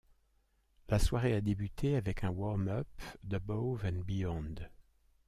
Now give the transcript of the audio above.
La soirée a débuté avec un warm-up d'Above & Beyond.